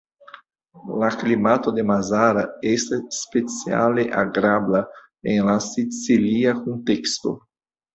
La klimato de Mazara estas speciale agrabla en la sicilia kunteksto.